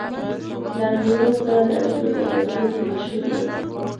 له انګرېزانو سره د اړېکو درلودلو مشهور وو.